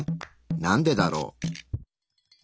なんでだろう？